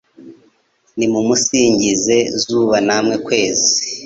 Nimumusingize zuba nawe kwezi